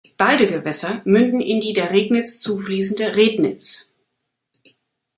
Beide Gewässer münden in die der Regnitz zufließende Rednitz.